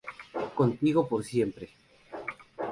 Contigo por siempre...